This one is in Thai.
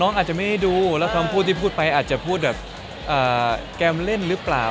อาจจะไม่ได้ดูแล้วคำพูดที่พูดไปอาจจะพูดแบบแกมเล่นหรือเปล่า